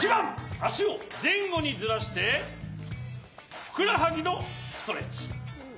あしをぜんごにずらしてふくらはぎのストレッチ。